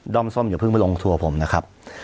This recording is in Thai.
้อมส้มอย่าเพิ่งไปลงทัวร์ผมนะครับ